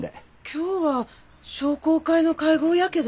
今日は商工会の会合やけど。